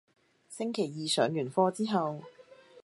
星期二上完課之後